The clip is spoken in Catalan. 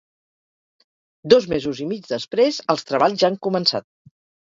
Dos mesos i mig després, els treballs ja han començat.